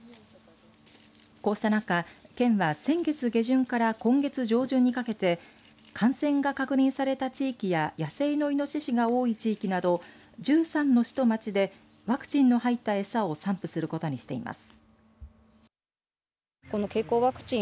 こうしたなか、県は先月下旬から今月上旬にかけて感染が確認された地域や野生のイノシシが多い地域など１３の市と町でワクチンの入ったエサを散布することにしています。